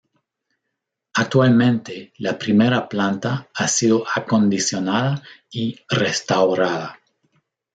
Actualmente la primera planta ha sido acondicionada y restaurada.